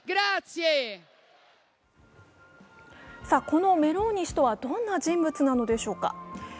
このメローニ氏とはどんな人物なのでしょうか。